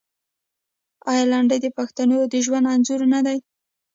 آیا لنډۍ د پښتنو د ژوند انځور نه دی؟